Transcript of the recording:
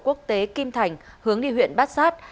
quốc tế kim thành hướng đi huyện bát sát